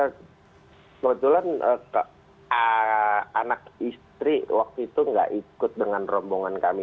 kebetulan anak istri waktu itu gak ikut dengan rombongan kami